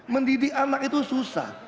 mendidik anak itu susah